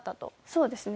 そうですね。